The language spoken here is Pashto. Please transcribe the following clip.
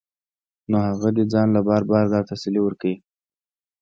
نو هغه دې ځان له بار بار دا تسلي ورکوي